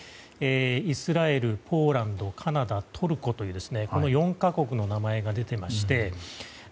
イスラエル、ポーランドカナダ、トルコという４か国の名前が出てまして。